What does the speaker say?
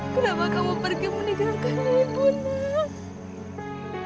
kenapa kamu pergi meninggalkan ibu nu